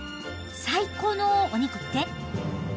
最高のお肉って？